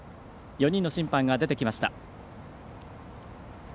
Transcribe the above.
４人の審判が出てきました。